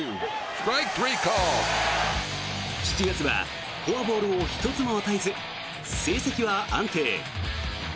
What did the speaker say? ７月はフォアボールを１つも与えず、成績は安定。